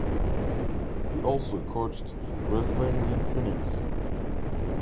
He also coached wrestling in Phoenix.